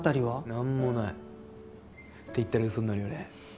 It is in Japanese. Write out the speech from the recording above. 何もないって言ったらウソになるよね。